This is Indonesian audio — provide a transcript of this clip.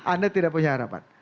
anda tidak punya harapan